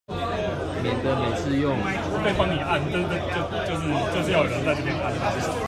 免得每次用